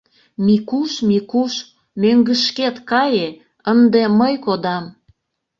Микуш, Микуш, мӧҥгышкет кае, ынде мый кодам.